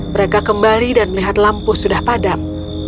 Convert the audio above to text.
mereka kembali dan melihat lampu yang berwarna merah